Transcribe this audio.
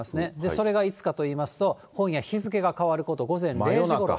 それがいつかといいますと、今夜、日付が変わるころ、午前０時ごろ。